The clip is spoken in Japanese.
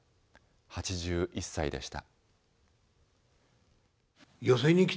８１歳でした。